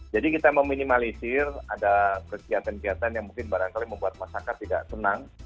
jadi kita meminimalisir ada kegiatan kegiatan yang mungkin barangkali membuat masyarakat tidak senang